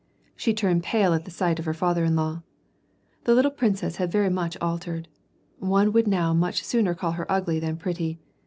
She turned pale at the sight of her father in law. The httle princess had very much altered. One would now much sooner call her ugly than pretty.